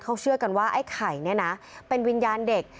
เขาเชื่อกันว่าไอ้ไข่เนี่ยนะเป็นวิญญาณเด็ก